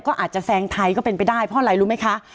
ก็อาจจะแซงไทยก็เป็นไปได้เพราะอะไรรู้ไหมคะ